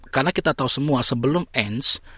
karena kita tahu semua sebelum ens